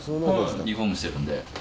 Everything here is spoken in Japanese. リフォームしてるんで。